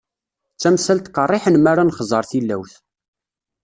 D tamsalt qerriḥen mi ara nexẓer tilawt.